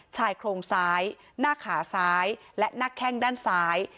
ชายโครงซ้ายหน้าขาซ้ายและหน้าแข้งด้านซ้าย